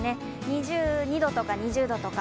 ２２度とか２０度とか。